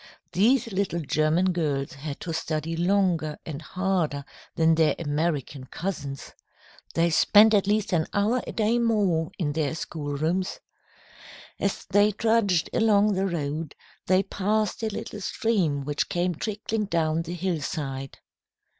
These little German girls had to study longer and harder than their American cousins. They spent at least an hour a day more in their schoolrooms. As they trudged along the road, they passed a little stream which came trickling down the hillside.